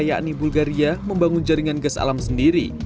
yakni bulgaria membangun jaringan gas alam sendiri